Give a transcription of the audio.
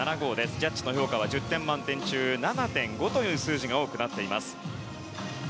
ジャッジの評価は１０点満点中７．５という数字が多くなっています。